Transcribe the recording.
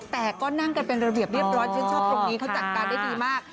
แต่ก็นั่งกันเป็นระเบียบเรียบร้อยชื่นชอบตรงนี้เขาจัดการได้ดีมาก